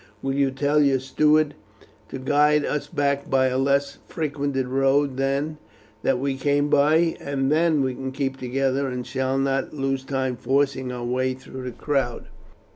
Will you tell your steward to guide us back by a less frequented road than that we came by, and then we can keep together and shall not lose time forcing our way through the crowd."